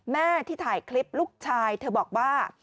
แม่ที่ถ่ายคลิปลูกชายเธอบอกว่า